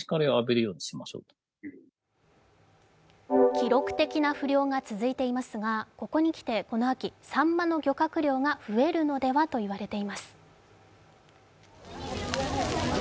記録的な不漁が続いていますが、ここにきてこの秋、さんまの漁獲量が増えるのではと言われています。